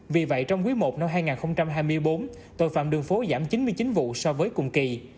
vì vậy trong quý i năm hai nghìn hai mươi bốn tội phạm đường phố giảm chín mươi chín vụ so với cùng kỳ